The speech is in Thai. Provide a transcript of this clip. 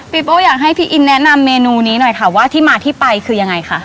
โป้อยากให้พี่อินแนะนำเมนูนี้หน่อยค่ะว่าที่มาที่ไปคือยังไงค่ะ